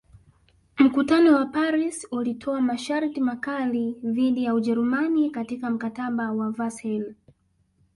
Mkutano wa Paris ulitoa masharti makali dhidi ya Ujerumani katika Mkataba wa Versaille